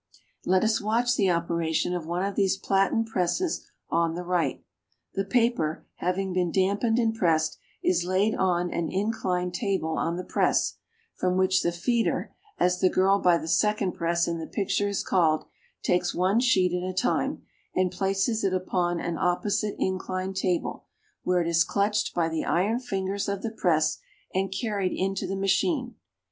Let us watch the operation of one of these platen presses on the right. The paper, having been dampened and pressed, is laid on an inclined table on the press, from which the "feeder," as the girl by the second press in the picture is called, takes one sheet at a time, and places it upon an opposite inclined table, where it is clutched by the iron fingers of the press, and carried into the machine.